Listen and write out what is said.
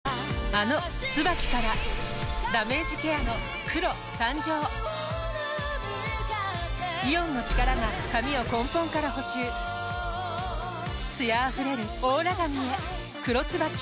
あの「ＴＳＵＢＡＫＩ」からダメージケアの黒誕生イオンの力が髪を根本から補修艶あふれるオーラ髪へ「黒ＴＳＵＢＡＫＩ」